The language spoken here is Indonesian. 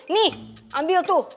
nih ambil tuh